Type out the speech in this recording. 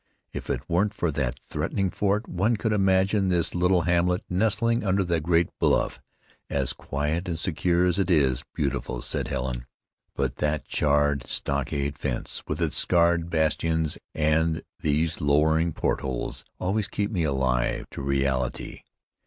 "If it weren't for that threatening fort one could imagine this little hamlet, nestling under the great bluff, as quiet and secure as it is beautiful," said Helen. "But that charred stockade fence with its scarred bastions and these lowering port holes, always keep me alive to the reality."